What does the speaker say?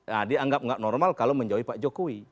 nah dianggap nggak normal kalau menjauhi pak jokowi